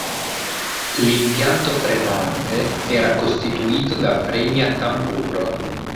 L'impianto frenante era costituito da freni a tamburo.